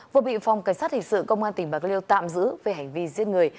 vừa bị phòng cảnh sát hình sự công an tỉnh bạc liêu tạm giữ về hành vi giết người